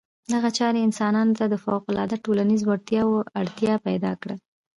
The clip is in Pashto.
دغې چارې انسانانو ته د فوقالعاده ټولنیزو وړتیاوو اړتیا پیدا کړه.